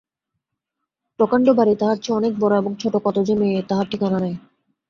প্রকাণ্ড বাড়ি-তোহার চেয়ে অনেক বড়ো এবং ছোটো কত যে মেয়ে, তাহার ঠিকানা নাই।